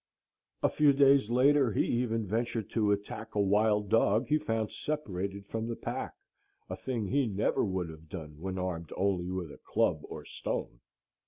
A few days later he even ventured to attack a wild dog he found separated from the pack; a thing he never would have done when armed with only a club or stone.